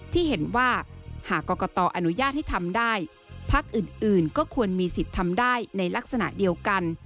ที่เห็นว่าหากกตอนุญาตให้ทำได้พักอื่นก็ควรมีสิทธิ์ทำได้ในลักษณะเดียวกัน